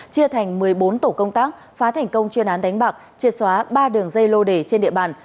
chia thành một mươi bốn tổ công tác phá thành công chuyên án đánh bạc chia xóa ba đường dây lô đề trên địa bàn